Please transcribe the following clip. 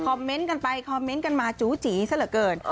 เมนต์กันไปคอมเมนต์กันมาจูจีซะเหลือเกิน